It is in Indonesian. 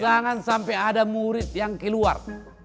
jangan sampai ada murid yang keluar